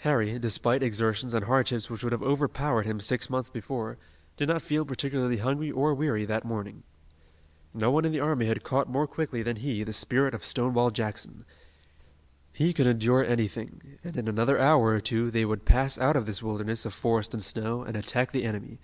Harry, despite exertions and hardships which would have overpowered him six months before, did not feel particularly hungry or weary that morning. No one in the army had caught more quickly than he the spirit of Stonewall Jackson. He could endure anything, and in another hour or two they would pass out of this wilderness of forest and snow, and attack the enemy.